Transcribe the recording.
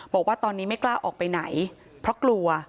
บอกว่าตอนนี้ไม่กล้าออกไปไหนเพราะกลัว